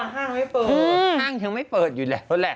ห้างยังไม่เปิดอยู่แล้วแหละ